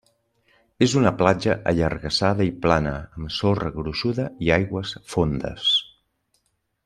És una platja allargassada i plana, amb sorra gruixuda i aigües fondes.